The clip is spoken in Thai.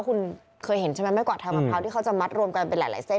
คุณเคยเห็นใช่ไหมไม่กว่าทางมะพร้าวที่เขาจะมัดรวมกันเป็นหลายเส้น